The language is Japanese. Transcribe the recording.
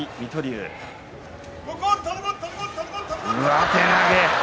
上手投げ。